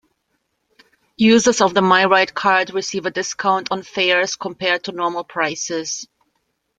Users of the MyRide card receive a discount on fares compared to normal prices.